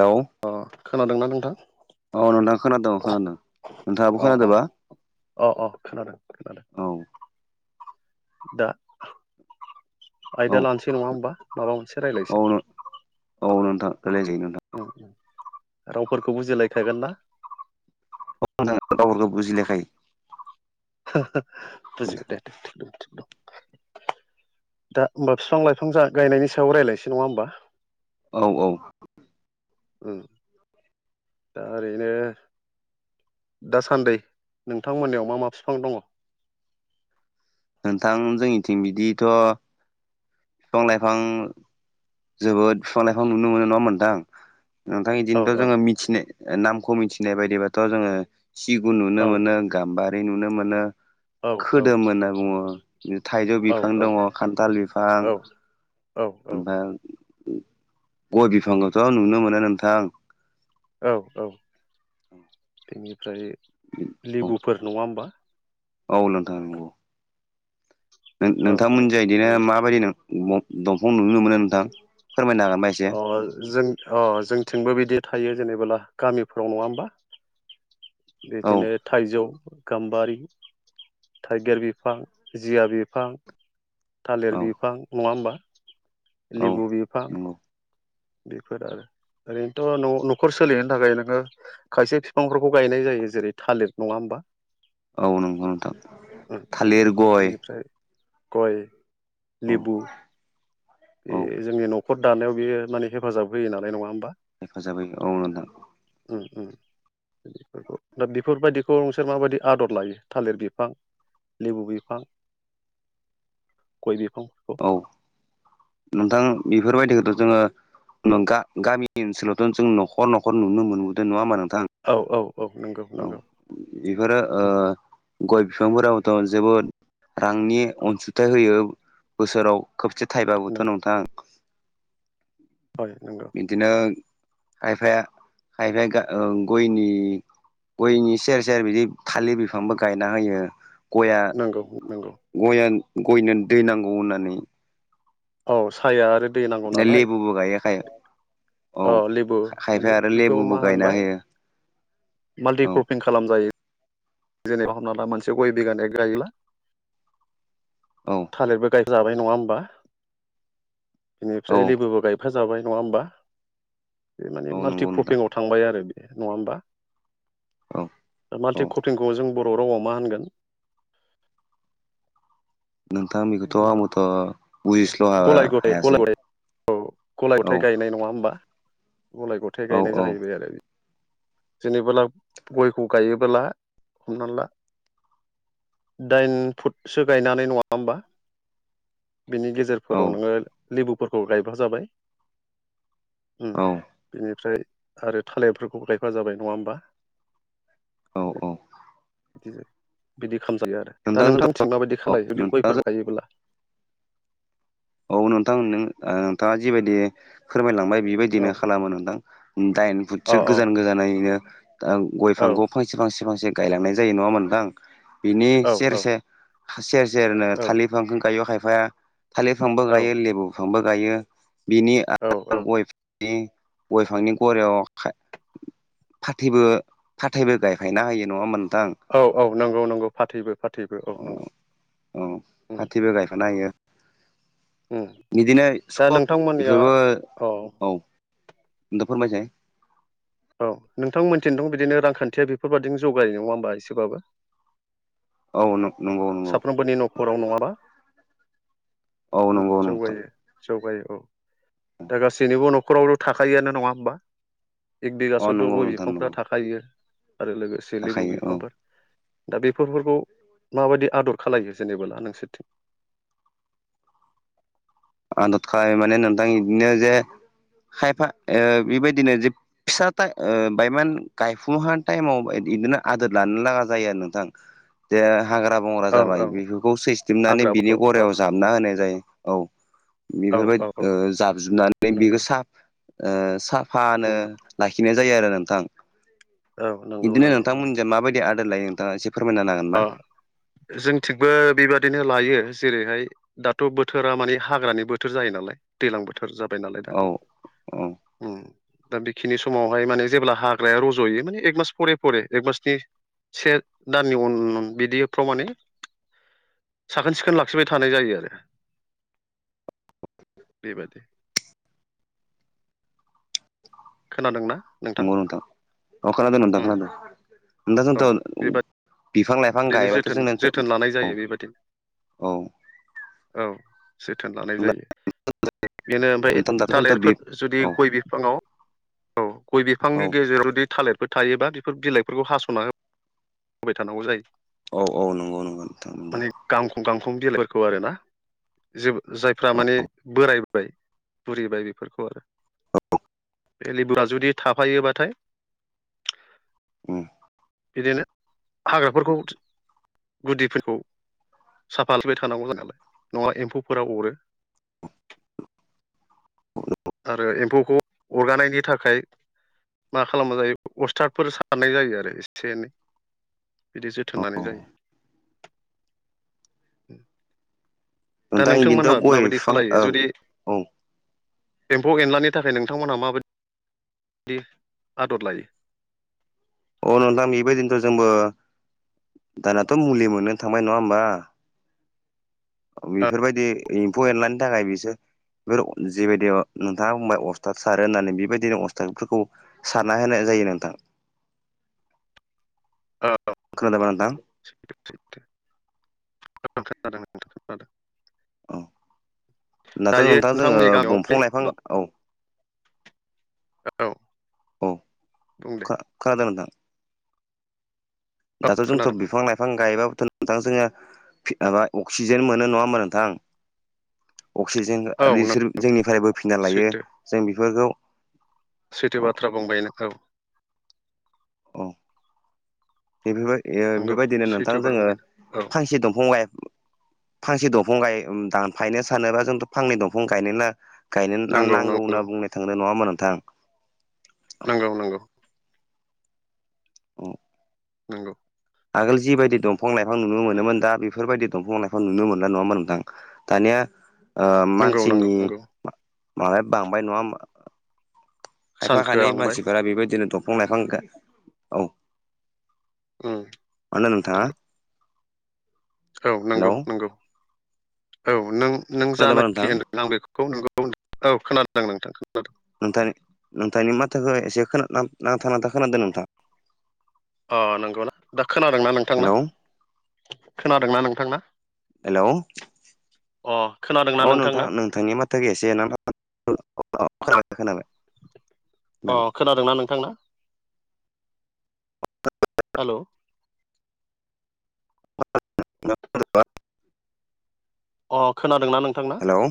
लौ अ खोनादोंना नोंथां? औ नोंथाङा खोनादों औ खोनादों नोंथाङाबो अ अ खोनादोंबा? अ अ खोनादों खोनादों। औ दा औ आयदा लानोसै नङा होमबा माबा मोनसे औ रायलायसै। औ नोंथां रायलायजायो उम उम रावफोरखौ बुजिलायखागोन ना? औ नोंथां रावफोरखौ बुजिलायखायो। [inaudible] बुजिगोन दे। दे थिग दं थिग दं [inaudible] दा होमबा फिफां-लाइफां गायनायनि सायाव रायलायनोसै नङा होमबा। औ औ। उम दा ओरैनो दासान्दै नोंथांमोननियाव मा मा बिफां दङ'? नोंथां जोंनिथिं बिदिथ' फिफां-लाइफां जोबोद फिफां-लाइफां नुनो मोनो नङा होमबा नोंथां। नोंथां इदिनोथ' औ जोङो मिथिनाय नामखौ मिथिनाय बायदिबाथ' जोङो सिगुन नुनो औ मोनो गाम्बारि नुनो मोनो औ औ खोदोम होनना बुङो थाइजौ औ बिफां दङ', खान्थाल बिफां औ ओमफाय गय फिफांखौथ' नुनो मोनो नोंथां। औ औ। उम। बेनिफ्राय लेबुफोर नङा होनबा। औ नोंथां नंगौ। औ औ नों-नोंथांमोननि बे जायदिनाया माबायदि दंफां नुनो मोनो नोंथां फोरमायनो हागोन एसे? अ जों अ जोंथिंबो बिदि थायो जेनेबोला गामिफ्राव नङा होमबा। औ बेदिनो थाइजौ, गाम्बारि थाइगिर बिफां, जिया बिफां, औ थालिर बिफां नङा होमबा। औ लेबु बिफां नंगौ बेफोर आरो ओरैनोथ' न'-न'खर सोलिहनो थाखाय नोङो खायसे फिफांफोरखौ गायनाय जायो जेरै थालिर नङा होमबा। औ नंगौ नोंथां उम उम थालिर, गय बिनिफ्राय गय, औ लेबु औ बे जोंनि न'खर दानायाव बेयो माने हेफाजाब होयो नालाय नङा होमबा। हेफाजाब होयो औ नोंथां। उम उम। फोरखौ दा बेफोर बायदिखौ नोंसोर माबायदि आदर लायो थालिर बिफां लेबु बिफां, गय बिफां औ नोंथां बेफोर बायदिखौथ' जोङो नं गा- गामि ओनसोलावथ' जों न'खर-न'खर नुनो मोनबोदों नङा होमबा नोंथां। औ औ औ नंगौ औ नंगौ। बेफोरो ओ उम गय बिफांफोराबोथ' जोबोद रांनि अनसुंथाइ होयो बोसोराव खबसे नों थाइबाबोथ' नोंथां नंगौ बिदिनो खायफाया खायफाया गयनि गयनि सेर सेर बिदि थालिर बिफांबो गायना होयो गया नंगौ नंगौ [unintelligible] गयनो दै नांगौ होननानै औ साया आरो दै नांगौ दा नालाय लेबुबो गायो खाय औ अ लेबु माने खायफाया आरो बेखौ लेबुबो मा गायना होनबाय होयो औ माल्टिक्रपिं खालामजायो जेनेबा हमना ला मोनसे गय बिगान गायोला औ थालिरबो गाय जाबाय नङा होमबा औ बिनिफ्राय लेबोबो गायफा जाबाय नङा होमबा बे माने औ नंगौ नोंथां माल्टिक्रपिंआव थांबाय आरो बे नङा होमबा औ औ माल्टिकपिंखौ जों बर' रावआव मा होनगोन नोंथां बेखौथ' आंबोथ' बुजिस्ल' गलाय गथ हायासै गलाय गथ औ गलाय औ गथाय गायनाय नङा होमबा मलाय गथाय औ गायनाय औ जाहैबाय आरो जेनेबोला गयखौ गायोबोला हमना ला दाइन फुटसो गायनानै नङा होमबा बिनि औ गेजेरफोराव नोङो लेबुफोरखौ गायबा जाबाय औ बिनिफ्राय आरो थालिरफोरखौ गायफा जाबाय नङा होमबा औ औ बिदि ज बिदि खालामजायो आरो दा नोंथां जोंथ' नोंथांमोनथिं माबायदि औ खालामल जुदि नोंथां गयफोर गायोब्ला औ नोंथां नोंथाङा जिबायदि फोरमायलांबाय औ बेबायदिनो खालामो नोंथां दाइन फुटसो अ अ गोजान गोजानैनो गय औ फांखौ फांसे फांसे फांसे गायलांनाय जायो नङाम मोनदांं बिनि औ सेर सेर सेर सेरनो औ थालिर फांख गायो खायफाया थालिर बिफांबो गायो लेबु बिफांबो गायो बिनि औ औ गयनि गय बिफांनि गरयाव फाथैबो फाथैबो गायफायना होायो नङाम मोनोनथां औ औ नंगौ नंगौ फाथैबो फाथैबो औ अ नंगौ औ फाथैबो गायफाना होयो उम बिदिनो दा स नोंथांमोननिया बेफोरबो औ होनथ' फोरमायसै औ नोंथां मोनथिनो दं बिदिनो रांखान्थिया बेफोरबाददिनो जगायायो नङा होनोमबा एसेबाबो औ नंगौ नंगौ साफ्रोमबोनि न'खराव नङाबा औ नंगौ नोंथां जौगायो जौगायो औ दा गासैनिबो न'खरावल' थाखआानो नङा होमबा एक अ बिगासोथ' नंगौ गय नोंथां बिफांफ्रा नंगौ थाखा खायो आरो लोगोसे लेबु थाखायो औ बिफांफोर दा बेफोरखौ माबायदि आदर खालामलायो जेनेबोला नोंसोरथिं आदद खालाम माने नोंथां बिदिनो जे खायफा बेबायदिनो ज फिसा बायमान गायफुं टाइमाव बिदिनो आदोर लानो लागा जायो आरो नोंथां जे हाग्रा बंग्रा ओं जाबाय ओं बेफोरखौ सैस्लिबनानै हाग्राफोरखौ बिनि औ गरायाव जाबना होनाय जायो औ औ औ औ बेफोरबायदि जाबजुबनानै बेखौ नंगौ सा साफानो उम लाखिनाय जायो आरो नोंथां औ नंगौ बिदिनो नंगौ नंगौ नोंथांमोनजों माबायदि आदार लायो नोंथाङा ए फोरमायना होनो हागोनबा जोंनिथिंबो बेबादिनो लायो जेरैहाय दाथ बोथोरा मानिे हाग्रानि बोथोर जायो नालाय दैज्लां बोथोर जाबाय नालाय दा औ औ उम दा बेखिनि समावहाय माने जेब्ला हाग्राया रजयो माने एक मास फरे फरे एक मासनि से बिदिफ्राव माने साखोन सिखोन लाखिबाय थानाय जायो आरो बेबायादि खोनादोंना? नंगौ नोंथां अ खोनादों नोंथां उम खोनादों औ नोंथांथ' बेबायदि बिफां लाइ ओरैनो जोथोन जोथोन लानाय जायो बेबायादिनो औ औ जोथोन लानाय जायो बेनो ओमफ्राय नोंथां दाथ' जोंथ' बे थालिरफोर जुदि औ गय बि फाङाव औ गय औ बिफांनि गेजेरा जुदि थालिर फोर थायोबा बेफोर बिलाइफोरखौ हासना होबाय थानांगौ जायो औ औ नंगौ नंगौ नोंथां नंगौ माने गांखं गांखं बिलाइफोरखौ आरो ना जे जायफ्रा माने बोरायबाय बुरिबाय बेफोरखौ आरो बे लेबुआ जुदि थाफायोबाथाय उम बिदिनो हाग्राफोरखौ गुदिफोरखौ साफाबाय थानांगौ जों नालाय नङाबा एमफौफोरा अरो [unintelligible] आरो एमफौखौ अरगानायनि थाखाय मा खालामबा जायो अस्थादफोर सारनाय जायो आरो एसे एनै बिदि जोथोन लानाय औ जायो दा नोंथां नोंथांमोनहा इदिनोथ' गय माबायदि बिफां औ खालामलायो जुदि औ एमफौ एनलानि थाखाय नोंथांमोनहा माबायदि दि आदर लायो अ नोंथां बेबायदिनोथ जोंबो दानाथ मुलि मोननो थांबाय नङा होनबा बेफोरबायदि एमफौ एनलानि थाखाय बिसोर बेफोर जेबायदि नोंथाङा बुंबाय अस्थाद सारो होननानै बेबायदिनो अस्थादफोरखौ सारना होनाय जायो नोंथां औ खोनादोंबा नोंथां खोनादों खोनादों नोंथां खोनादों औ दाथ दायो नोंथां जोङो नोंथांमोननि गामियाव बे दंफां लाइफां औ औ अ बुं दे खोनादों नोंथां दाथ जोंथ खोनादों बुं बिफां लाइफां बिफां गायबाबोथ नोंथां जोङो माबा अक्सिजेन मोनो नङा होमबा नोंथां अक्सिजेन औ नों बिसोर जोंनिफ्राय बोफिनना लायो सैथो जों बेफोरखौ सैथो औ बाथ्रा बुंबाय नोंखौ औ बेफोरबाय नंगौ बेफोरबायदिनो सैथो नोंथां बाथ्रा जोङो बुंबाय नों औ फांसे दंफां लाइ फांसे दंफां गाय दानफायनो सानोबा जोंथ फांनै दंफां गायनो गायनो नंगौ नांगौ नंगौ होनना बुंनाय थांदों नङा होमा नोंथां नंगौ नंगौ औ नोंगौ आगोल जिबायदि दंफं लाइफां नुनो मोनोमोन दा बिफोर बायदि दंफं लाइफां नुनो मोनला नङा होनबा नोंथां दानिया ओ नंगौ नंगौ मानसिनि नंगौ माबाया बांबाय नङा होमबा खायफा सानखोआ खायनै लांबाय मानसिफोरा बेबायदिनो दंफं लाइफां गाय औ उम मानो नोंथाङा नंगौ औ नंगौ हेलौ नंगौ औ नों नों खोनादोंबा नोंथां जानाखि होनदों आं बेखौ नोंगौ औ खोनादों नोंथां खोनादों नोंथां नोंथांनि माथोखो एसे खोना नांथा नांथा खोनादों नोंथां अ नंगौना दा खोनादोंना नोंथांना हेलौ खोनादोंना नोंथांना हेलौ अ खोनादों अ नोंथां नोंथांनि माथोखो [unintelligible] औ खोनाबाय अ खोनाबाय खोनादोंना नोंथां ना हेल' [unintelligible] अह खोनादों नोंथांना हेलौ